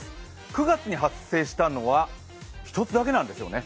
９月に発生したのは１つだけなんですね。